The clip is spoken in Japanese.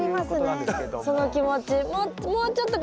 その気持ち。